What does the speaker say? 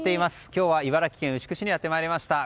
今日は茨城県牛久市にやってまいりました。